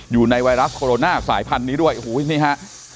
อยู่ในไวรัสโคโรน่าสายพันธุ์นี้ด้วยโห้ยนี่ฮะ